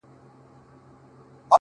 زه چي په هره چهارشنبه يو ځوان لحد ته!